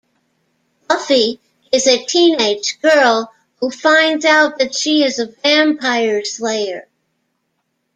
Buffy is a teenage girl who finds out that she is a vampire slayer.